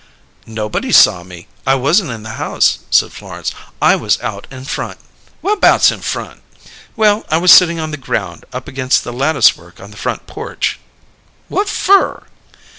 "Nobody saw me. I wasn't in the house," said Florence, "I was out in front." "Whurbouts 'out in front'?" "Well, I was sitting on the ground, up against the latticework of the front porch." "Whut fur?"